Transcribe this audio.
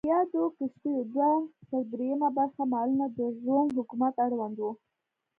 د یادو کښتیو دوه پر درېیمه برخه مالونه د روم حکومت اړوند و.